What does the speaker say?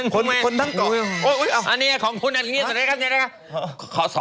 คนทั้งเกาะอันนี้ของคุณอันนี้สวัสดีครับ